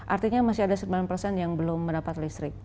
artinya masih ada sembilan persen yang belum mendapat listrik